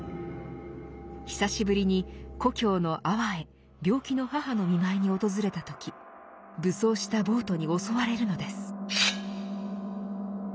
久しぶりに故郷の安房へ病気の母の見舞いに訪れた時武装した暴徒に襲われるのです。